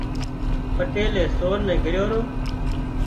پٽيلئي سور نين ڳريو رو